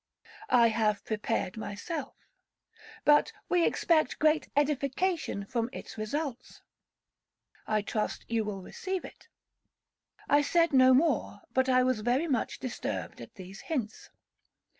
'I have prepared myself.' 'But we expect great edification from its results.' 'I trust you will receive it.'—I said no more, but I was very much disturbed at these hints.